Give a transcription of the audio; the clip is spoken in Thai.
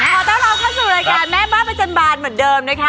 ขอต้อนรับเข้าสู่รายการแม่บ้านประจำบานเหมือนเดิมนะคะ